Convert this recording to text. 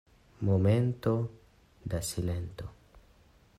Momento da silento.